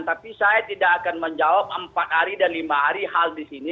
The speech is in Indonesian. tapi saya tidak akan menjawab empat hari dan lima hari hal di sini